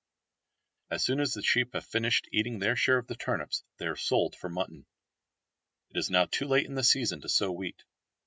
As soon as the sheep have finished eating their share of the turnips they are sold for mutton. It is now too late in the season to sow wheat.